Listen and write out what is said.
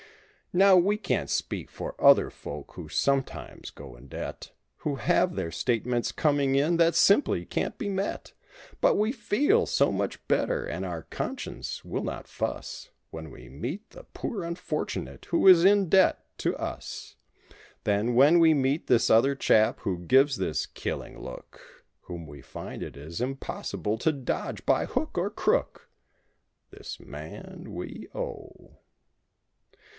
Now we can't speak for other folk who sometimes go in debt. Who have their statements coming in, that simply can't be met; But we feel so much better (and our conscience will not fuss) When we meet the poor unfortunate who is in debt to us Than when we meet this other chap who gives this killing look 17 Whom we find it is impossible to dodge by hook or crook— This man we owe.